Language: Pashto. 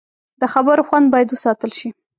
د خبرو خوند باید وساتل شي